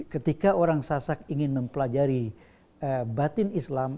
ketika orang sasak ingin mempelajari batin islam